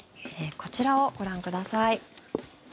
こちらをご覧ください。